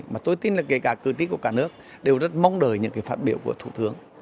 mà tôi tin là kể cả cử tri của cả nước đều rất mong đợi những cái phát biểu của thủ tướng